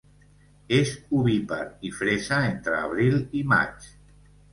És ovípar i fresa entre abril i maig.